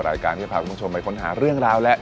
รายการที่จะพาคุณผู้ชมไปค้นหาเรื่องราวและ